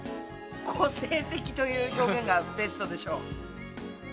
個性的という表現がベストでしょう。